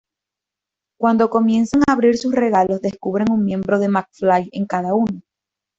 Cuando comienzan a abrir sus regalos descubren un miembro de McFly en cada uno.